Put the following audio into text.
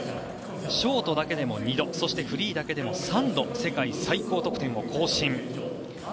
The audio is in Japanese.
ショートだけでも２度そして、フリーだけでも３度世界最高得点を更新。